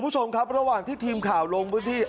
คุณผู้ชมครับระหว่างที่ทีมข่าวลงพื้นที่